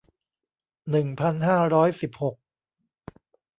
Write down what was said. หนึ่งพันห้าร้อยสิบหก